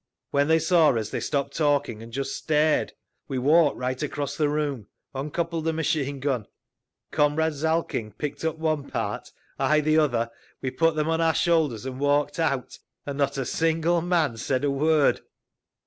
When they saw us they stopped talking and just stared. We walked right across the room, uncoupled the machine gun; Comrade Zalkind picked up one part, I the other, we put them on our shoulders and walked out—and not a single man said a word!"